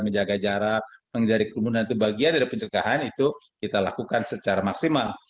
menjaga jarak menghindari kerumunan itu bagian dari pencegahan itu kita lakukan secara maksimal